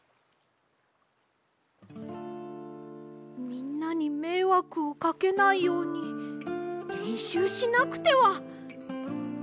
みんなにめいわくをかけないようにれんしゅうしなくては！